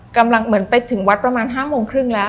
เหมือนไปถึงวัดประมาณ๕โมงครึ่งแล้ว